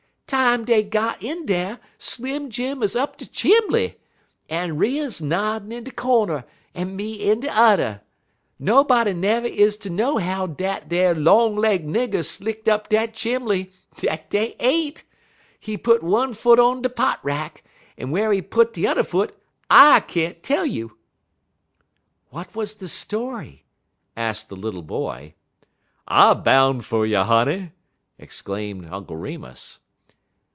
"Time dey got in dar Slim Jim 'uz up de chimbly, en Riah 'uz noddin' in one cornder en me in de udder. Nobody never is ter know how dat ar long leg nigger slick'd up dat chimbly dat dey ain't. He put one foot on de pot rack, en whar he put de t'er foot I can't tell you." "What was the story?" asked the little boy. "I boun' fer you, honey!" exclaimed Uncle Remus.